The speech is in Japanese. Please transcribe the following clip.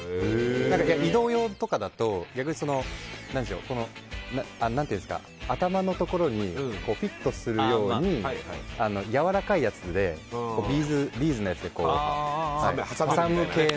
移動用とかだと何ていうんですか頭のところにフィットするようにやわらかいやつでビーズのやつで、挟む系の。